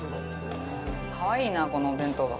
かわいいなぁ、このお弁当箱。